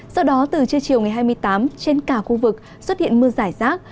sau đó từ trưa chiều ngày hai mươi tám trên cả khu vực xuất hiện mưa giải rác